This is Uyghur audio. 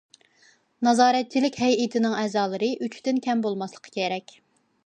نازارەتچىلىك ھەيئىتىنىڭ ئەزالىرى ئۈچتىن كەم بولماسلىقى كېرەك.